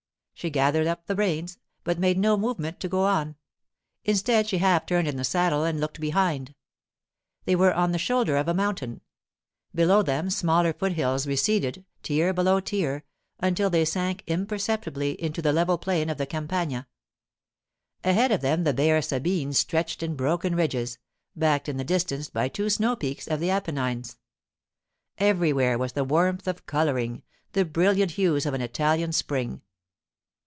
She gathered up the reins, but made no movement to go on. Instead she half turned in the saddle and looked behind. They were on the shoulder of a mountain. Below them smaller foothills receded, tier below tier, until they sank imperceptibly into the level plain of the Campagna. Ahead of them the bare Sabines stretched in broken ridges, backed in the distance by two snow peaks of the Apennines. Everywhere was the warmth of colouring, the brilliant hues of an Italian spring.